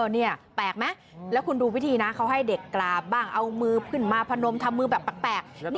นี่แปลกไหมแล้วคุณดูวิธีนะเขาให้เด็กกราบบ้างเอามือขึ้นมาพนมทำมือแบบแปลก